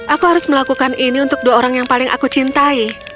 aku harus melakukan ini untuk dua orang yang paling aku cintai